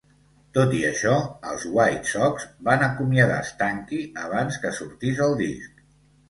Tot i això, els White Sox van acomiadar Stanky abans que sortís el disc.